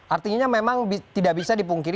artinya memang tidak bisa dipungkiri